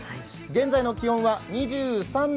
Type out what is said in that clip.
現在の気温は２３．９度。